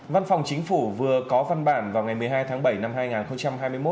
văn phòng chính phủ vừa có văn bản vào ngày một mươi hai tháng bảy năm hai nghìn hai mươi một